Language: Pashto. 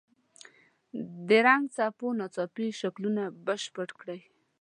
د رنګه خپو ناڅاپي شکلونه بشپړ کړئ.